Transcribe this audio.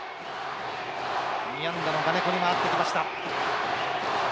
２安打の我如古に回ってきました。